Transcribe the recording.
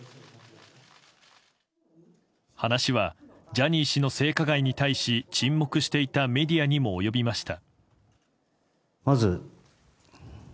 話はジャニー氏の性加害に対し沈黙していたメディアにも及びました。